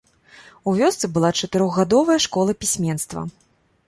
У вёсцы была чатырохгадовая школа пісьменства.